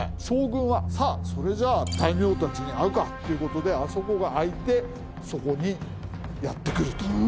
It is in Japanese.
将軍はさあそれじゃあ大名たちに会うかということであそこが開いてそこにやって来ると。